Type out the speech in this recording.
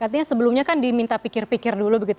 artinya sebelumnya kan diminta pikir pikir dulu begitu